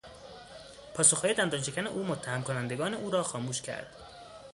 پاسخهای دندان شکن او متهم کنندگان او را خاموش کرد.